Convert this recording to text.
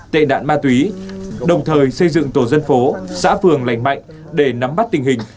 tệ nạn ma túy đồng thời xây dựng tổ dân phố xã phường lành mạnh để nắm bắt tình hình